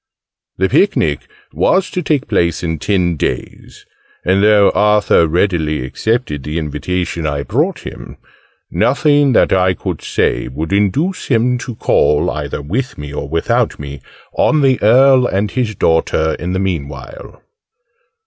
The picnic was to take place in ten days: and though Arthur readily accepted the invitation I brought him, nothing that I could say would induce him to call either with me or without me on the Earl and his daughter in the meanwhile.